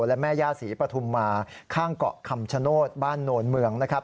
และแม่ย่าศรีปฐุมมาข้างเกาะคำชโนธบ้านโนนเมืองนะครับ